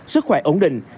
sức khỏe ổn định